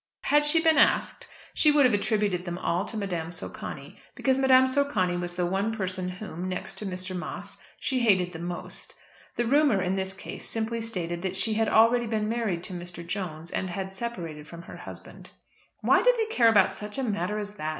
Had she been asked, she would have attributed them all to Madame Socani; because Madame Socani was the one person whom, next to Mr. Moss, she hated the most. The rumour in this case simply stated that she had already been married to Mr. Jones, and had separated from her husband. "Why do they care about such a matter as that?"